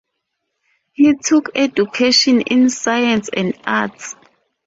He took education in science and arts.